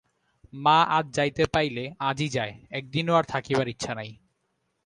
মা আজ যাইতে পাইলে আজই যায়, একদিনও আর থাকিবার ইচ্ছা নাই।